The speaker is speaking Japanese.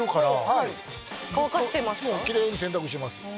キレイに洗濯してます。